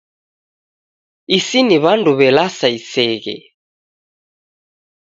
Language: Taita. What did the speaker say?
Isi ni w'andu w'e lasa iseghe